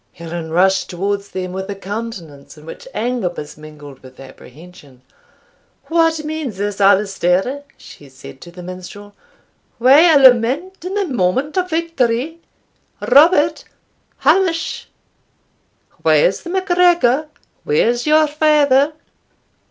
Helen rushed towards them with a countenance in which anger was mingled with apprehension. "What means this, Alaster?" she said to the minstrel "why a lament in the moment of victory? Robert Hamish where's the MacGregor? where's your father?"